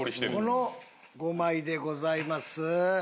この５枚でございます。